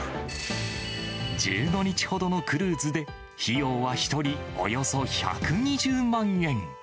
１５日ほどのクルーズで、費用は１人およそ１２０万円。